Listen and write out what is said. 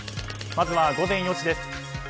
まずは午前４時です。